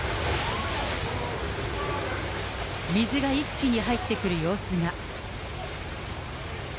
水が一気に入ってくる様子が。